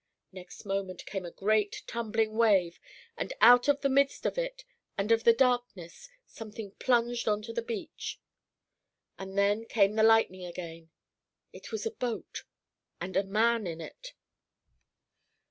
Next moment came a great tumbling wave, and out of the midst of it and of the darkness, something plunged on to the beach; and then came the lightning again. It was a boat and a man in it.